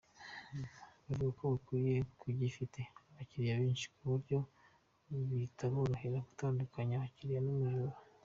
Bavuga ko bwira bagifite abakiriya benshi, ku buryo bitaborohera gutandukanya umukiriya n’umujura.